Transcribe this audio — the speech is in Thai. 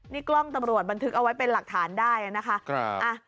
นี่กล้องตำรวจบันทึกเอาไว้เป็นหลักฐานได้นะคะ